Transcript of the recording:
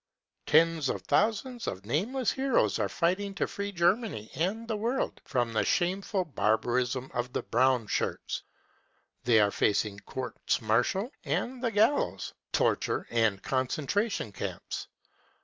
" Tens of thousands of nameless heroes are fighting to free Germany and the world from the shameful barbarism of the Brown Shirts. They are facing courts martial and the gal lows, torture and concentration camps.